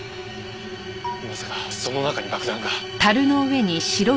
まさかその中に爆弾が？